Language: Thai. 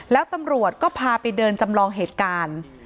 แล้วตำรวจก็พาไปเดินจำลองเหตุการณ์